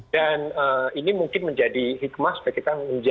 dan ini mungkin menjadi hikmah supaya kita menjaga